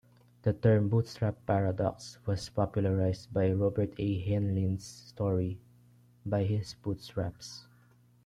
The term bootstrap paradox was popularized by Robert A. Heinlein's story "By His Bootstraps".